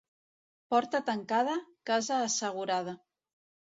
Porta tancada, casa assegurada.